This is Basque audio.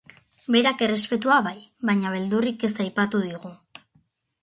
Berak errespetua bai baina beldurrik ez aipatu digu.